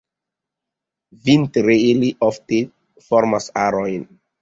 Vintre ili ofte formas arojn.